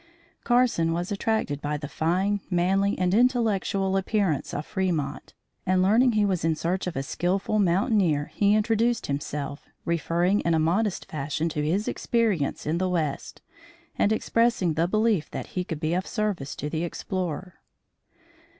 Carson was attracted by the fine, manly and intellectual appearance of Fremont, and, learning he was in search of a skilful mountaineer, he introduced himself, referring in a modest fashion to his experience in the west and expressing the belief that he could be of service to the explorer.